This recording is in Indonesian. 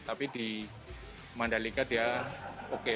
tapi di mandalika dia oke